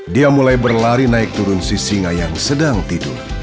dia mulai berlari naik turun sisinga yang sedang tidur